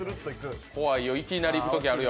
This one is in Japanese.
怖いよ、いきなりいくときあるよ。